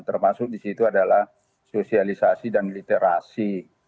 termasuk di situ adalah sosialisasi dan literasi